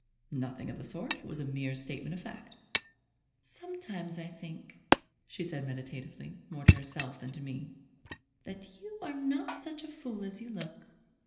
"Nothing of the sort. It was a mere statement of fact." "Sometimes I think," she said meditatively, more to herself than to me, "that you are not such a fool as you look."